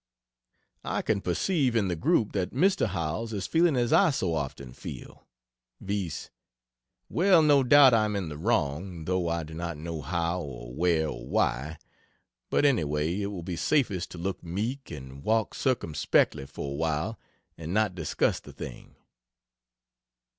I can perceive in the group, that Mr. Howells is feeling as I so often feel, viz: "Well, no doubt I am in the wrong, though I do not know how or where or why but anyway it will be safest to look meek, and walk circumspectly for a while, and not discuss the thing."